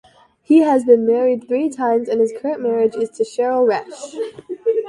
He has been married three times and his current marriage is to Cheryl Resh.